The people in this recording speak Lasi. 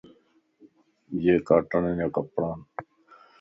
يي ڪاٽن جا ڪپڙان